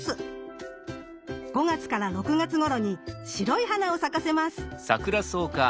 ５月６月頃に白い花を咲かせます。